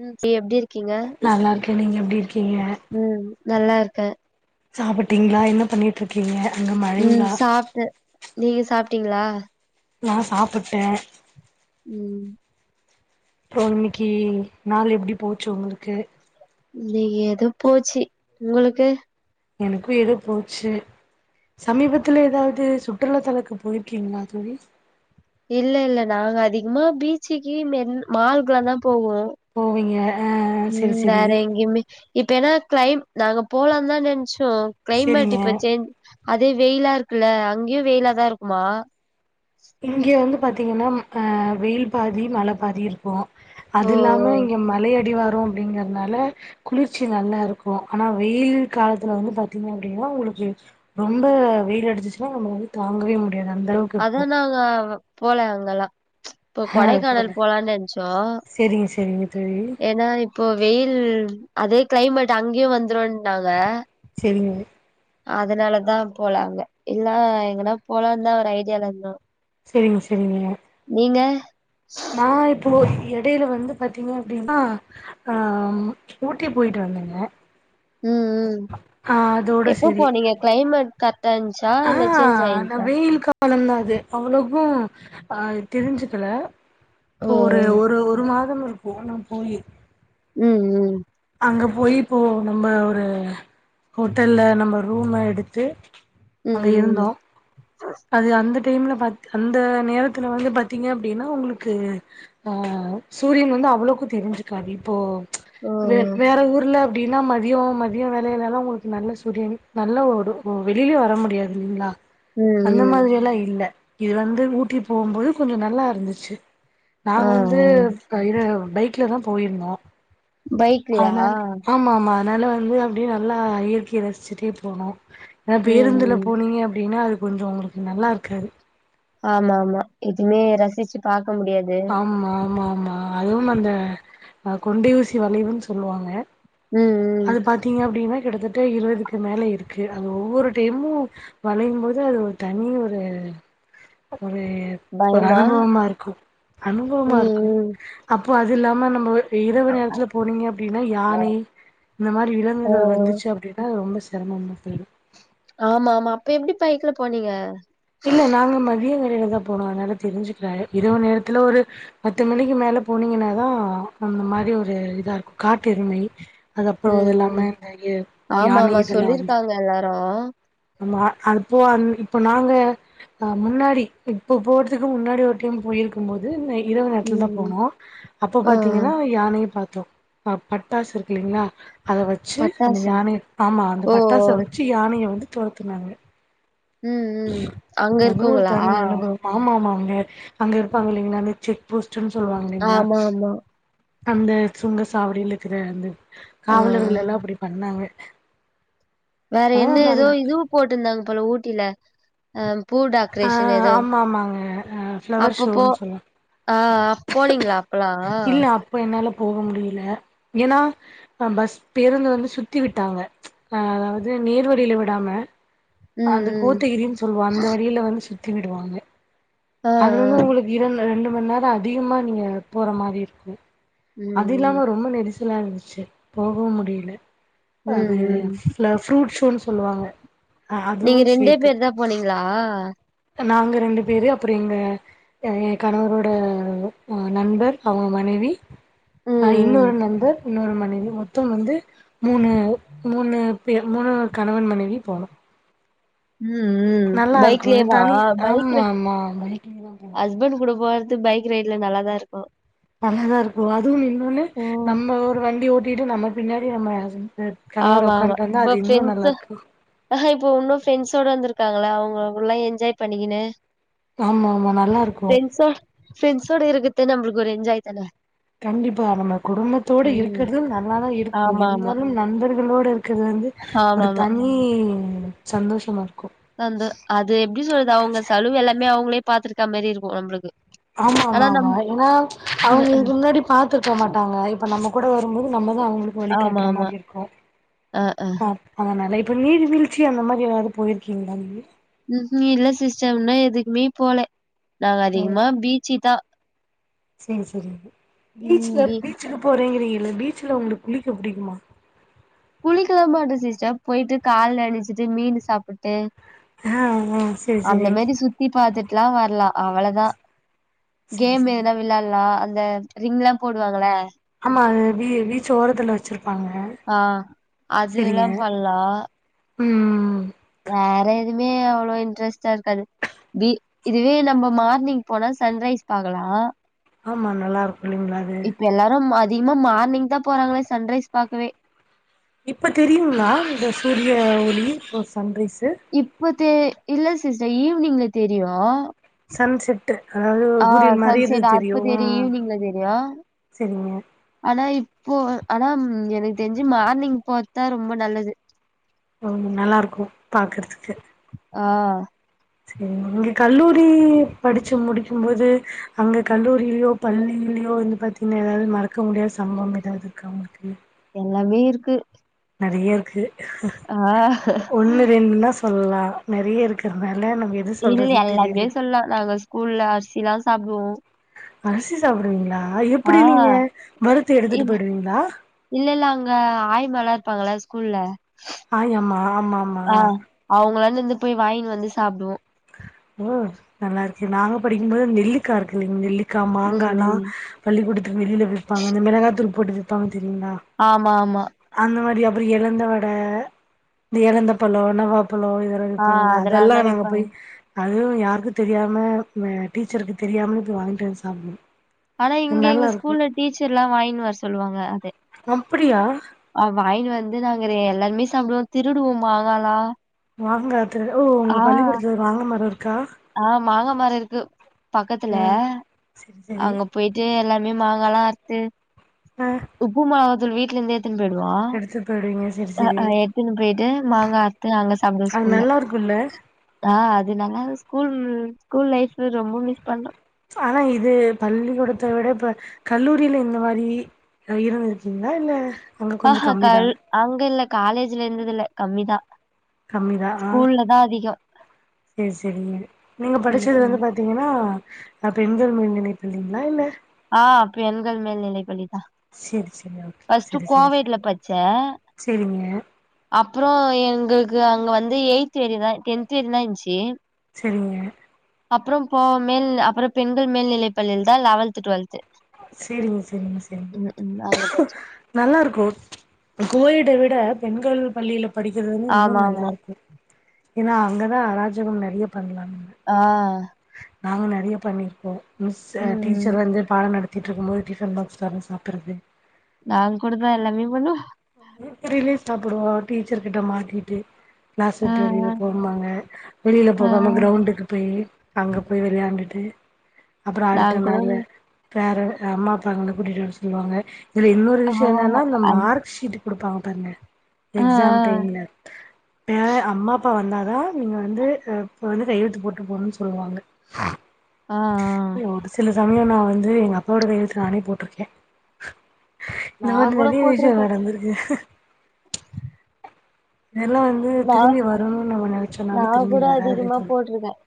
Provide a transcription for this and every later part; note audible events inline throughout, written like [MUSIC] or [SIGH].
ம் சரி எப்டி இருக்கீங்க நல்லா இருக்கே, நீங்க எப்படி இருக்கீங்க? ம் நல்லா இருக்க சாப்பிட்டீங்ளா, என்ன பண்ணிட்டு இருக்கீங்க அங்க ம் மழைங்களா சாப்ட்ட, நீங்க சாப் டீங்களா நா சாப்புட்டே ம் அப்றோ இன்னைக்கி நாள் எப்படி போச்சு உங்களுக்கு இன்னைக்கி ஏதோ போச்சு, உங்களுக்கு எனக்கு ஏதோ போச்சு சமீபத்துல ஏதாவது சுற்றுலா தலங்க்கு போயிருக்கீங்ளா தோழி இல்ல இல்ல நாங்க அதிகமா பீச்சுக்கு மெரி மால்க்குலாந்தா போவோ போவீங்க ஆ செரி ம் செரி வேற எங்கையுமே இப்ப ஏன்னா டைம் நாங்க போலாந்தா நெனச் சோ கிளைமேட் இப்ப செரிங்க சேஞ்ச் அதே வெயிலா இருக்குல்ல அங்கேயு வெயிலாதா இருக்குமா இங்க வந்து பாத்தீங்கன்னா அ வெயில் பாதி மழ பாதி இருக்கு ஓ அது இல்லாம இங்க மலை அடிவா ரோ அப்டிங்கிறதுனால குளிர்ச்சி நல்லா இருக்கு ஆனா வெயில் காலத்துல வந்து பாத்தீங்க அப்டினா உங்களுக்கு ரொம்ப வெயில் அடிச்சிச்சினா நம்ப வந்து தாங்கவே முடி அந்தளவுக்கு இருக்கு இப்ப போல அங்கல்லா இப்போ அது கொடைக்கானல் போல போலான்னு நெனச்சோ சரிங்க சரிங்க தோழி. ஏன்னா இப்போ வெயில் அதே கிளைமேட் அங்கயு வந்துருன் னாங்க சரிங்க அதனாலதா போலாங்க இல்லா எங்கனா போலாந்தா ஒரு ஐ டியாலந்தோ சேரிங்க சேரிங்க நீங்க நா இப்போ எடையில வந்து பாத்தீங்க அப்டின்னா ஆ ஊட்டி போய்ட்டு வந்தேங்க ம் ம் ஆ அதோட எப்போ சரி. போனீங்க க்ளைமேட் க ட்டான்ச்சா இல்ல சேஞ்ச் ஆய்ஞ்ச்சா லொந்தா அது அவ்ளோக்கு ஆ தெரிஞ்சுக்கல ஓ இப்பொ ஒரு ஒரு ஒரு மா தம் இருக்கு நா போயி ம் ம் அங்க போயி இப்போ நம்ப ஒரு ஹோட்டல்ல நம்ம ரூம எடுத்து அங்க ம் ம் இருந்தோ அது வந்து டைம்ல பாத் அந்த நேரத்துல வந்து பாத்தீங்க அப்டின்னா உங்களுக்கு ஆ சூரியன் வந்து அவ்ளோக்கு தெரிஞ்சுக்காது இப்போ ஓ வெ வேற ஊர்ல அப்டின்னா மதியொ மதியொ வேலையிலலா உங்களுக்கு நல்ல சூரியன் நல்ல ஒரு வெளியிலே வர முடியாது இல்லிங்களா ம் அந்த ம் மாதிரி எல்லா இல்ல இது வந்து ஊட்டி போம்போது கொஞ்சொ நல்லா இருந்துச்சு ஆ ஆ. நாங்க வந்து [UNINTELLIGIBLE] பைக்ல தா போயிருந்தோ பைக்லயா ஆனால் ஆமா ஆமா அதனால வந்து அப்டியே நல்லா இயற்கைய ரசிச்சுட்டே போனு ஏனா ம் பேருந்துல ம் போனீங்க அப்படின்னா அது கொஞ்சொ ஒங்களுக்கு நல்லா இருக்காரு ஆமா ஆமா இதுவுமே ரசிச்சு பா ஆமா ஆமா ஆமா அதுவு அந்த அ கொண்டை ஊசி வளைவுன் சொல்லுவாங்க ம் ம் அது பாத்தீங்க அப்படின்னா கிட்டத்தட்ட இருவதுக்கு மேல இருக்கு அது ஒவ்வொரு டைமு வளையும் போது அது ஒரு தனி ஒரு ஒரு ஒரு பயமா அனுபவமா இருக்கு அனுபவமா இருக்கு ம் ம் அப் அப்போ அது இல்லாம நம் வொ இரவு நேரத்துல போனீங்க அப்டின்னா ஓ யானை இந்த மாரி விலங்குகள் ஓ வந்துச்சு அப்டின்னா ரொம்ப செரமமா போய்டு ஆமா ஆமா அப்ப எப்டி பைக்ல போனீங்க இல்ல நாங்க மதிய மேலதா போனோ அதனால தெரிஞ்சுக்கிறா இரவு நேரத்துல ஒரு பத்து மணிக்கு மேல போனீங்கன்னாதா அந்த மாரி ஒரு இதா இருக்கு காட்டெருமை ம் ஆமா யானை ஆமா இதெல்லா வந்து சொல்லிருக்காங்க எல்லாரு ஆமா அப்போ அந் இப்போ நாங்க ந முன்னாடி இப்போ போறதுக்கு முன்னாடி ஒரு டைம் போயிருக்கும் போது நை இரவு நேரத்துலதா ம் போனோ அப்ப ஆ பாத்தீங்கன்னா யானையும் பாத் தோ ஆ பட்டாசு இருக்குலீங்களா அத வச்சு அந்த பட்டாசா? யானை ஆமா அந்த ஓ பட்டாச ஓ. வச்சு யானைய வந்து தொரத்துனாங்க ம் ம் அங்க இருக்வங்களா க அங்க இருப்பாங்க இல்லைங்களா அந்த செக் போஸ்ட் ட் சொல்வாங்க இல்லிங்ளா ஆமா ஆமா. அந்த சுங்க சாவடியில இருக்கிற அந்த ஆ ஆ. காவலர்கள் எல்லா அப்படி பண்ணாங்க வேற ஆ என்ன எதோ நல்லா இதுவு போட்டுந்தாங் போல ஊட்டில அம் ஆ ஆமா ஆமாங்க அ ஃப்ளவர் ஷோன்னு சொல்வாங் போனீங்ளா இல்ல அப்ப என்னால போக முடியல ஏன்னா அ பஸ் பேருந்து வந்து சுத்தி விட்டாங்க அதாவது நேர்வழில விடாம ம் அந்த ம். கோத்தகிரின்னு சொல்லுவோ அந்த வழியில வந்துசு த்தீ விடுவாங்க ஆ அது வந்து ஆ. உங்களுக்கு இரண் ரெண்டு மணி நேரோ அதிகமா நீங்க போற மாரி இருக்கு ம் அது ம். இல்லாம ரொம்ப நெரிசு ல்லா இருந்துச்சு போகவு முடியல அது ம் ம். ஃபா ஃபுரூட் சோ சொல்லுவாங்க நீங்க அதுவும் ரெண்டே சேத்து பேரு தா போனீங்களா நாங்க ரெண்டு பேரு அப்புற எங்க என் கணவரோட நண்பர் அவுங்க மனைவி ம் ம். இன்னொரு நண்பர் இன்னொரு மனைவி மொத்தம் வந்து மூணு மூணு பேர் மூணாவத் கணவன் மனைவி போனோ ம் ம். நல்லா இருக்கு பைக்லயேவா? தனி பைக்ல ஆமா ஆமா பைக்லே தா போனோ து பைக் ரைட்ல நல்லாதாருக்கு நல்லாதாருக்கு அதுவு இன்னொன்னு ஓ நம்ம ஒரு வண்டி ஓட் டிட்டு நம்ம பின்ணாடி நம்ம ஹஸ்பண் ஆமா ஆமா இப்ப ஃப்ரெண்ட்ஸு இருக்கு அஹா இப்ப உன்னு ஃப்ரெண்ட்ஸ் தோடு வந்துருக்காங்களா அவுங்ககுள்ள என்ஜாய் பண்ணிக்கின்னு ஆமா ஆமா நல்லாருக்கு து நம்ளுக்கு ஒரு என்ஜாய்தான கண்டிப்பா நம்ம குடும்பத்தோட ம் இருக்கறது நல்லாதா இருக்கு ஆமா ஆமா இருந்தாலு நண்பர்களோட இருக்கிறது வந்து ஆமா ஒரு தனி சந்தோஷமா இருக் அந்து அது எப்டி சொல்லுது அவுங்க செலவு எல்லாமே அவுங்களே பாத்துருக்கா மேரிருக்கு நம்ளுக்கு ஆமாமாமா ஏனா அவுங்க இதுக்கு முன்னாடி பாத்துருக்க மாட்டாங்க இப்ப நம்ம கூட வரும்போது நம்மதா அவுங்களுக்கு ஆமா வழிகாட்ற ஆமா மாரி இருக்கு ஆ ஆ அ அதனால இப்ப நீர்வீழ்ச்சி அந்த மாரி ஏதாது போய்ருக்கீங்களா நீங்க ம்ஹீம் இல்ல சிஸ்டர் இன்னு எதுக்குமே போல நாங்க அதிகமா பீச்சு தா சேரி சேரி ம் பீச்சுல பீ பீச்சுக்கு போறாங்கிறீங்க இந்த பீச்சுல உங்ளுக்கு குளிக்க முடியுமா குளிக்கலா மாட்ட சிஸ்டர் போய்ட்டு கால் நணச்சிட்டு மீனு சாப்புட்டு ஆ ஆ சேரி சேரி ல்லா வரலா அவ்ளதா செரி கேம் செரி ஏதுனா விளாட்லா அந்த ரிங்லா போடுவாங்கள ஆமா அது வீ பீச்சோரத்துல வச்சிருக்க ஆ அது எல்லா பண்லா ம் வேற எதுவுமே அவ்ளோ இன்ட்ரெஸ்டா இருக்காது பி இதுவே நம்ம மார்னிங் போனா சன்ரைஸ் பாக்கலா ஆமா நல்லா இருக்கு இல்லைங்களா அது இப்ப எல்லாரு அதிகமா மார்னிங் தா போறாங்களே சன்ரைஸ் பாக்கவே இப்ப தெரியுங்களா இந்த சூரிய ஒளி ஓ சன்ரைஸ் இப்பத் தெ இல்ல சிஸ்டர் ஈவ்னிங்ல தெரியும் சன் செட்டு [UNINTELLIGIBLE] அதாவது சூரியன் மறையிது சன்செட் அப்ப தெரியும் தெரியு ஈவினிங்ல தெரியு செரிங்க போ ஆனா எனக்கு தெருஞ்சு மார்னிங் பாத்தா ரொம்ப நல்லது ரொம் நல்லாருக்கும் பாக்றதுக்கு ஆ சே இங்க கல்லூரி படிச்சு முடிக்கும் போது அங்க கல்லூரிலியோ பள்ளிலியோ வந்து பாத்தினா எதாவது மறக்க முடியாத சம்பவம் எதாவதுருக்கா உங்களுக்கு எல்லாமே இருக்கு நெறைய இருக்கு ஆ ஒண்ணு ரெண்டுனா சொல்லலாம் நெறைய இருக்கறனா இல்ல எல்லாமே சொல்லா நாங்க ஸ்கூல்ல அரிசிலாம சாப்டுவோம் அரிசி சாப்டுவீங்ளா அ ஆ எப்பிடி நீங்க வறுத்து எடுத்துட்டு போயிடுவீங்ளா க ஆய்மாலா இருப்பாங்கள ஸ்கூல்ல ஆயாம்மா ஆமாமா ந்து போய் வாயின்வந்து சாப்டுவோ ஓ நல்லாருக்கு நாங்க படிக்கும்போது நெல்லிக்கா இருக்குல்லைங் நெல்லிக் கா ம், மாங்கால்லா ம். பள்ளிக்கூடத் வெளில விப்பாங்க இந்த மெளகாத்தூள் போட்டு விப்பாங்க தெரியிங்ளா ஆமா, ஆமா. அந்த மாரி அப் ப்ற எலந்த வட இந்த எலந்த பழம் நவாப் பழோம் இதல்லா ஆ விப்பாங்கல்ல அதெல்லாம் அதல்லா தான் நாங்க விப்பாங்க. போய் அதுவு யாருக்கு தெரியாம அ டீச்சருக்கு தெரியாமல போய் வாய்ன்ட்டந்து சாப்டுவோ ஆனா இங்க நல்லா எங்க இருக்கு ஸ்கூல்ல டீச்சர்லா வாங்கினு வர் சொல்லுவாங்க து அப்டியா ஆ வாயினு வந்து நா ங்குரெ எல்லாருமே சாப்புடுவோ திருடுவோ மாங்கால்லா மாங்க ற்று ஓ ஒங்க பள்ளி கூடத்ல ஒரு மாங்க மரரு ஆ மாங்காமரோ இருக்கு பக்கத்துல ஆ சரி சரி அங்க போயிட்டு எல்லா மே மாங்காலா அறுத்து உப்பு மொளத் தூள் வீட்லந்தே எடுத்துட் பொய்டுவிங்க அ அ எத்துன்னு போயிட்டு மாங்கா அறுத்து அங்க சாப்டுவ அது ஸ்கூல்ல நல்லா இருக்குல்ல ஆ‌ அது நாங்க ஸ்கூல் ஸ்கூல் லைஃபு ரொம்ப மிஸ் பண்ற ஆனா இது பள்ளிக்கூடத்தை விட இப்ப கல்லூரியில இந்த மாரி இருந்திருக்கீங்களா இல்ல அங்க கொஞ்சோ ஆஹஹ கல் கம்மிதான் அங்கில்ல காலேஜ்ல இருந்ததுல கம்மிதான் கம்மிதான் ஆஹ் செரி செரிங்க நீங்க ம் படிச்சது ம் வந்து பாத்தீங்கன்னா அ பெண்கள் மேல்நிலைய பள்ளிங்களா இல்ல ஆஹ் பெண்கள் மேல்நிலை பள்ளி செரி செரி ஓகே செரி செரி செரி கோவேட்ல படிச்சே செரிங்க அப்புறோ எங்களுக்கு அங்கே வந்து எயி்த் வேரி தான் டென்த் வேரி தான் இருந்துச்சு செரிங்க அப்புறோ போ மேல் அப்புறோ பெண்கள் மேல்நிலைப்பள்ளியில் தான் லெவல்த் டுவெல்த் செரிங்க செரிங்க செரிங்க ம் ம் அங்க படிச்சே நல்லா இருக்கும் கோயடுவி விட பெண்கள் பள்ளியில வந்து படிக்கிறது வந்து ஆமா இன்னும் நல்லா ஆமா இருக்கும் ஏன்னா அங்கதான் அராஜகம் நெறைய பண்லாம் ஆஹ் நாங்க நெறைய பண்ணிருக்கோம் ம் மிஸு ம். டீச்சர் வந்து பாடம் நட திட்டு இருக்கும் போது டிஃபன் பாக்ஸ் தொறந்து சாப்பிடடுறது நான் கூடதா எல்லாமமே பண்ணுவ ஃபிரீ பிரிடியிலயே சாப்பிடுவோம் டீச்சர் கிட்ட மாட்டிகிட்டே கிளாஸ் அ ஆ விட்டு வெளியில போமாங்க வெளியில ஆ ஆ போகாமல் கிரௌண்டுக்கு போய் அங்க போய் விளையாண்டுட்டு அப்புற அடுத்த நான் கூட மேல பேர அம்மா அப்பாங்களை கூட்டிட்டு வர சொல்லுவாங்க இதுல இன்னொரு விஷய என்னனா ஆமாமா. இந்த அந் மார்க் விட்டு குடுப்பாங்க பாருங்க ஆ, ஆ, எக்ஸாம் டைம்ல பே அம்மா அப்பா வந்தா தா நீங்க வந்து இப்ப வந்து கையெழுத்து போட்டு போணும்னு சொல்லுவாங்க ஆஹ் ஆஹ் ஒரு சில சமயோ நா வந்து எங்க அப்பாவோட கையெழுத்த நானே போட்ருக்கே நா கூட போட்டு நடந்துருக்கு இதெல்லா வந்து நான் திரும்பி வரணும்னு நம்ம நினைச்சோனாலு நான் திரும்பி கூட வராது அதிகமா தோழி போட்டிருக்கேன்.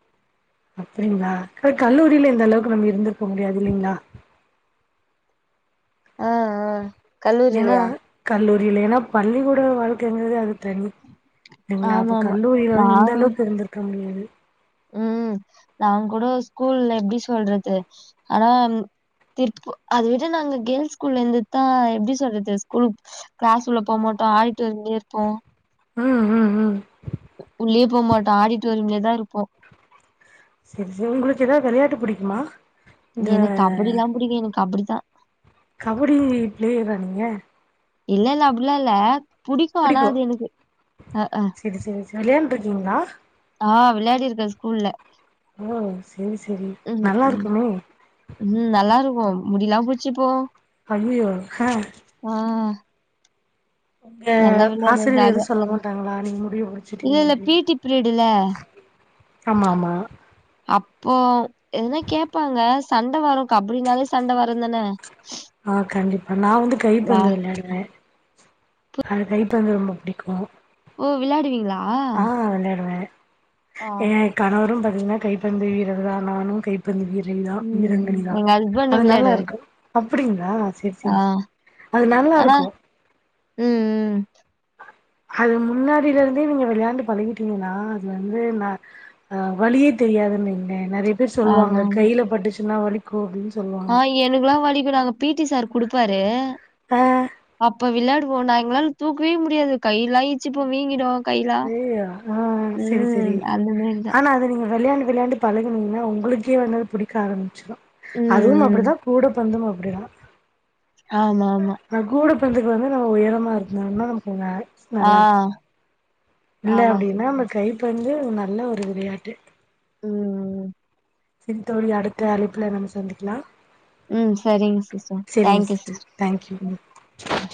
அப்டிங்களா கல்லூரியில எந்த அளவுக்கு நம்ம இருந்திருக்க முடியாது இல்லைங்களா ஆஹ் ஆஹ் ஏன்னா கல்லூரியில்லனா பள்ளிகூட வாழ் [UNINTELLIGIBLE] யு இல்லைங்ளா அப்ப ஆமாமா. கல்லூரியிலு இந்த அளவுக்கு இருந்திருக்க முடியாது உம் நாங்க கூட ஸ்கூல்ல எப்டி சொல்றது ஆனா திரு அது விட்டு நாங்க கேர்ள்ஸ் ஸ்கூல்ல இருந்ததுதா எப்டி சொல்றது ஸ்கூல் கிளாஸ் உள்ள போக மாட்டோம் ஆடிட்டோரியத்துலயே இருப்போ உம் உம் உம் உள்ளயே போமாட்டோ ஆடிட்டோரியம்ல தா இருப்போ சரி சரி உங்களுக்கு ஏதாவது வெளையாட்டு புடிக்குமா இந்த எனக்கு கபடிலாம் புடிக்கும். எனக்கு கபடி தான். கபடி பிளேயர்ரா நீங்க இல்ல இல்ல அப்படிலா இல்ல புடிக்கு ஆனாது எனக்கு அஹ் அஹ் வெளயான்டு இருக்கிங்லா ஆஹ் வெளையாடியிருக்கே ஸ்கூல்ல ஓ செரி செரி ம் நல்லா ம் இருக்குமே முடிலாம் புடுச்சுப்போ அய்யய்யோ ஹ உங்க நல்லா விளையாடுவோ ஆசிரியர் எதும் ஜாலியா சொல்ல மாட்டாங்களா நீங்க முடிய இல்ல புடிச்சிட்டிங்க இல்ல பி அப்டின்னா டி பீரியடுல ஆமா ஆமா அப்போ எதுனா கேப்பாங்க சண்ட வரும் கபடினாலே சண்ட வருந்தானே ஆஹ் கண்டிப் நா வந்து கை பந்து விளாடுவே அது கைப்பந்து ரொம்ப புடிக்கு ஓ விளையாடுவீங்களா ஆ வெளையாடுவ ஆ ஏ கணவரும் [UNINTELLIGIBLE] எல்லா கைப்பந்து வீரர்களா நானு கைப்பந்து வீர் [UNINTELLIGIBLE] ம் வீரனுல்லா எங்க ஹஸ்பண்ட் அது நல்லா விளையாடுவாரு இருக்கு அப்டிங்களா செரி ஆ செரி செரி அது நல்லா ஆனா இருக்கு ம் ம் அது முன்னாடியிலருந்தே நீங்க விளையாண்டு பழகிட்டீங்கன்னா அது வந்து நா அ வலியே தெரியாதுன்னு வெய்ங்களே நறையா பேர் ஆமா சொல்லுவாங்க ஆமா கையில பட்டுச் சுன்னா வலிக்கு அப்டின் ஆ எனக்குலா வலிக்கு [UNINTELLIGIBLE] பி ஈ டி சார் குடுப்பாரு ஆ அப்ப விளாடுவோ நா எங்ளால தூக்கவே முடியாது கையிலா [UNINTELLIGIBLE] வீங்கிடு கைலா ஐயையோ அ அ செரி செரி ம் அந்த மாரிதா ஆனா அது நீங்க வெளையாண் விளையாண்டு பழகுனிங்னா உங்களுக்கே வந்து புடிக்க ஆரமிச்சுடு ம் அதுவும் ம் அப்டிதா கூட பொறந்தவ ப்டிதா ஆமா ஆமா ரெண்டு பேரு நம்ம உயரமா இருந்தோம்னா நமக்குங்க ஆ இல்ல ஆமா அப்டின்னா நம்ம சிஸ்டர் ட்ரை பண் ணி நல்ல ஒரு விளையாட்டு ம் ம் செரி தோழி அடுத்த அழைப்புல நம்ம சந்திக்லா ம் சரிங்க சிஸ்டர் தேங்க்யூ சிஸ்டர் சிஸ்ட் ம் தேங்க்யூ ம்